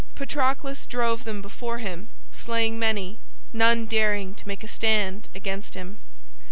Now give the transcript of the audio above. Patroclus drove them before him, slaying many, none daring to make a stand against him.